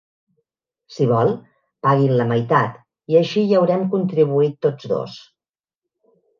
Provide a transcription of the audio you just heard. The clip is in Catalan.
Si vol pagui'n la meitat així hi haurem contribuït tots dos.